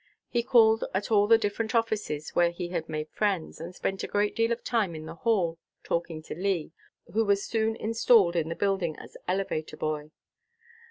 He called at all the different offices where he had made friends, and spent a great deal of time in the hall, talking to Lee, who was soon installed in the building as elevator boy.